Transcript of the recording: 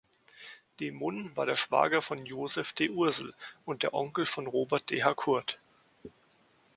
De Mun war der Schwager von Joseph d’Ursel und der Onkel von Robert d’Harcourt.